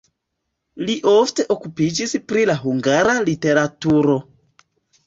Li ofte okupiĝis pri la hungara literaturo.